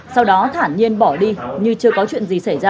sau đó thảm nhiên bỏ đi như chưa có chuyện gì xảy ra